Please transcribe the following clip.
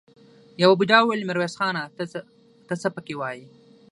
يوه بوډا وويل: ميرويس خانه! ته څه پکې وايې؟